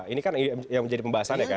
ini kan yang menjadi pembahasan ya kan